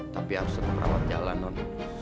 tapi harus tetep rawat jalan non